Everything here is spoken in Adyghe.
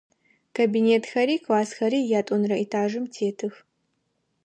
Кабинетхэри классхэри ятӏонэрэ этажым тетых.